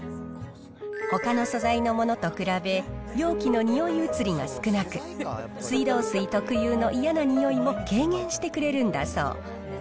ほかの素材のものと比べ、容器のにおい移りが少なく、水道水特有の嫌な臭いも軽減してくれるんだそう。